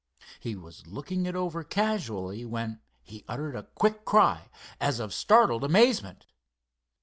He was looking it over casually, when he uttered a quick cry as of startled amazement.